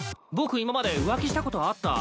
今まで浮気したことあった？